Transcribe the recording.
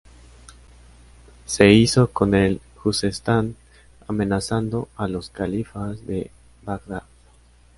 Se hizo con el Juzestán, amenazando a los califas de Bagdad.